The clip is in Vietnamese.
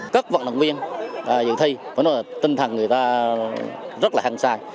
các vận động viên dự thi tinh thần người ta rất là hăng sai